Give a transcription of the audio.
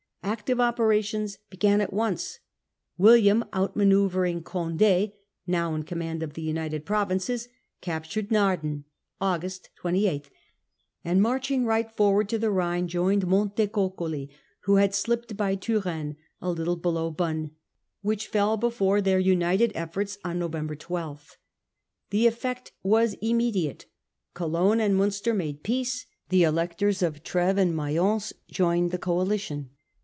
Active operations began at once. William, outmanoeuvring Condo, now in command in the United Provinces, captured Naarden (August 28), and, marching right forward to the Rhine, joined Montecuculi, who had Capture of slipped by Turenne, a little below Bonn, which William and fell before their united efforts on Novem November ^er l2m ^he e ^ ect was i mm ediate. Cologne 12, 1673. and Munster made peace ; the Electors of Tr&ves and Mayence joined the coalition.